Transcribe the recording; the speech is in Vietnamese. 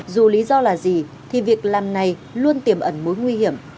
dù lý do là gì thì việc làm này luôn tiềm ẩn mối nguy hiểm